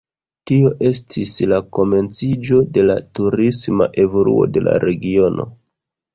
Tio estis la komenciĝo de la turisma evoluo de la regiono.